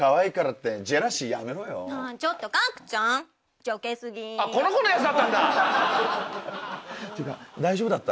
っていうか大丈夫だった？